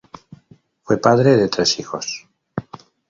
Fue padre de tres hijos.